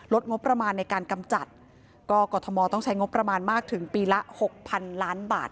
งบประมาณในการกำจัดก็กรทมต้องใช้งบประมาณมากถึงปีละหกพันล้านบาท